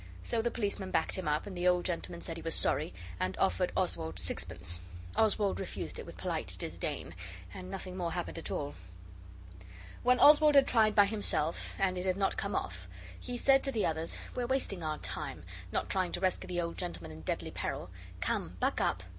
So the policeman backed him up, and the old gentleman said he was sorry, and offered Oswald sixpence. Oswald refused it with polite disdain, and nothing more happened at all. When Oswald had tried by himself and it had not come off, he said to the others, 'We're wasting our time, not trying to rescue the old gentleman in deadly peril. Come buck up!